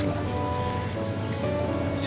gak usah ngomong begitu terus lah